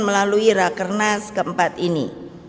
melalui rakernas keempat ini